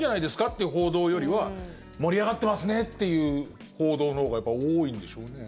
っていう報道よりは盛り上がってますねっていう報道のほうが多いんでしょうね。